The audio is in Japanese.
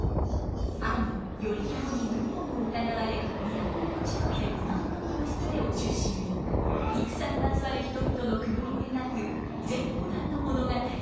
兄頼朝に謀反を疑われ都を落ち延びる源義経を中心に戦にまつわる人々の苦悩を描く全五段の物語。